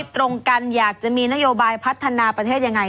ตรงกันอยากจะมีนโยบายพัฒนาประเทศยังไง